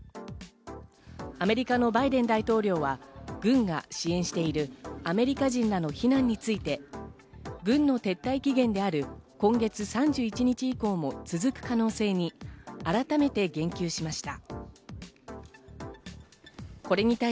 アメリカのバイデン大統領は軍が支援しているアメリカ人らの避難について、軍の撤退期限である今月３１日以降も続く可能性に改めて言及しました。